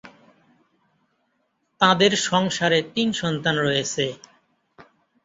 তাঁদের সংসারে তিন সন্তান রয়েছে।